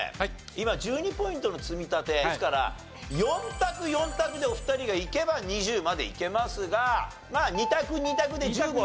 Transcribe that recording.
今１２ポイントの積み立てですから４択４択でお二人がいけば２０までいけますがまあ２択２択で１５はいけますからね。